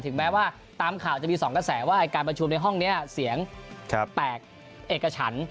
แม้ว่าตามข่าวจะมี๒กระแสว่าการประชุมในห้องนี้เสียงแตกเอกฉัน